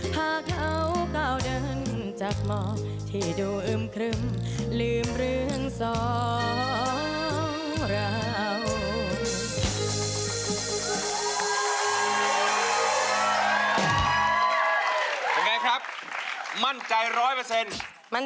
พาเขาก้าวเดินจากหมอที่ดูอึมครึ้มลืมเรื่องสองราว